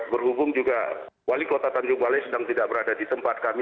berhubung juga wali kota tanjung balai sedang tidak berada di tempat kami